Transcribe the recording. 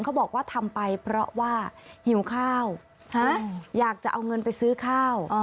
เขาบอกว่าทำไปเพราะว่าหิวข้าวอยากจะเอาเงินไปซื้อข้าว